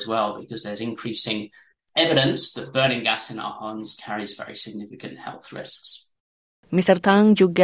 makan lebih banyak daging